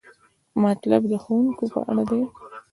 مطلب د ښوونکي په اړه دی.